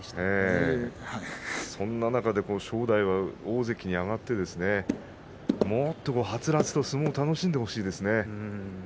そんな中で正代は大関に上がってもっと、はつらつと相撲を楽しんでほしいですね。